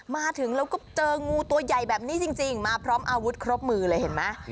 มาถึงแล้วก็เจองูตัวใหญ่แบบนี้จริงมาพร้อมอาวุธครบมือเลยเห็นไหม